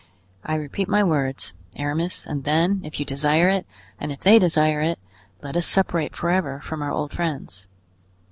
I repeat my words, Aramis, and then, if you desire it, and if they desire it, let us separate forever from our old friends."